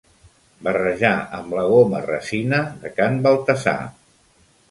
Barrejar amb la goma resina de can Baltasar.